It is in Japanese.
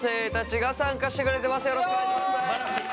よろしくお願いします。